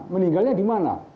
meninggalnya di mana